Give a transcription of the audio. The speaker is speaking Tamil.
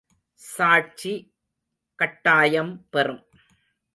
சாட்சி கட்டாயம் பெறும்.